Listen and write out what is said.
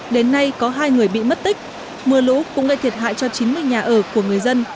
đến nay có hai người bị mất tích mưa lũ cũng gây thiệt hại cho chín mươi nhà ở của người dân